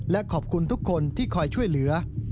และขอบคุณทุกคนที่คอยช่วยเหลือ